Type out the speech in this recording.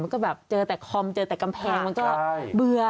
ก็แบบเจอแต่คอมเจอแต่กำแพงมันก็เบื่อ